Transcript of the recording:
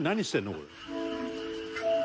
これ」